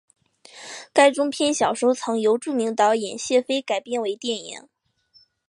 该中篇小说曾由著名导演谢飞改编为电影。